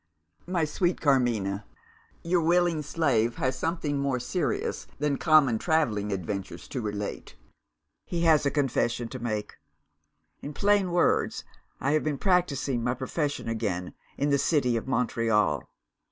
My sweet Carmina, your willing slave has something more serious than common travelling adventures to relate he has a confession to make. In plain words, I have been practising my profession again, in the city of Montreal!